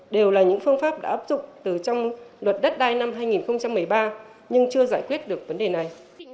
đều là những phương pháp đã áp dụng từ trong luật đất đai năm hai nghìn một mươi ba nhưng chưa giải quyết được vấn đề này